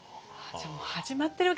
じゃあもう始まってるわけですね。